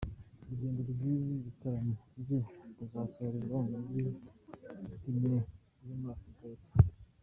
Urugendo rw’ibi bitaramo bye ruzasorezwa mu mijyi ine yo muri Afurika y’Epfo.